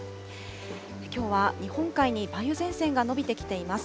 きょうは日本海に梅雨前線が延びてきています。